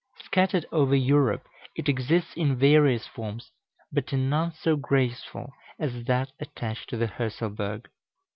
Scattered over Europe, it exists in various forms, but in none so graceful as that attached to the Hörselberg.